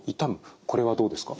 これはどうですか？